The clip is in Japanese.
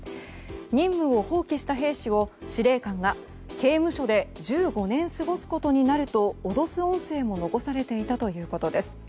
任務を放棄した兵士を司令官が刑務所で１５年過ごすことになると脅す音声も残されていたということです。